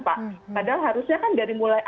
pak padahal harusnya kan dari mulai